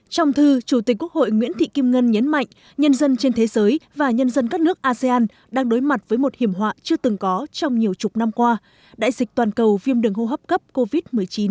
trong thư chủ tịch quốc hội nguyễn thị kim ngân nhấn mạnh nhân dân trên thế giới và nhân dân các nước asean đang đối mặt với một hiểm họa chưa từng có trong nhiều chục năm qua đại dịch toàn cầu viêm đường hô hấp cấp covid một mươi chín